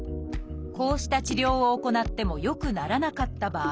こうした治療を行っても良くならなかった場合